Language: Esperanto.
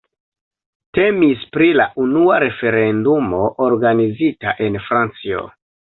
Temis pri la unua referendumo organizita en Francio.